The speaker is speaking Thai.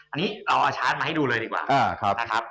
อันนี้เราชาร์จมาให้ดูเลยดีกว่า